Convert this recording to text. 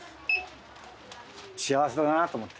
幸せだなと思って。